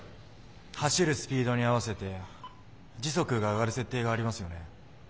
走るスピードに合わせて時速が上がる設定がありますよね。